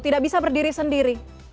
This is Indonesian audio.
tidak bisa berdiri sendiri